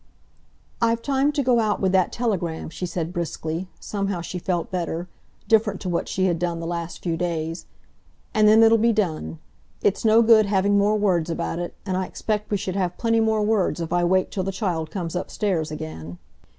"I've time to go out with that telegram," she said briskly—somehow she felt better, different to what she had done the last few days—"and then it'll be done. It's no good having more words about it, and I expect we should have plenty more words if I wait till the child comes upstairs again."